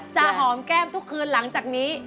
หอมแก้มทุกคืนหลังจากนี้